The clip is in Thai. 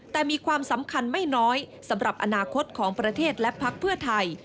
แต่มีความสำคัญไม่น้อยสำหรับอนาคตของประเทศและพักเพื่อไทย